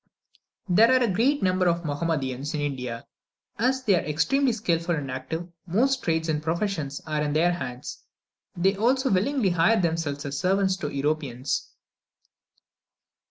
There are a great number of Mahomedans in India; and as they are extremely skilful and active, most trades and professions are in their hands. They also willingly hire themselves as servants to Europeans.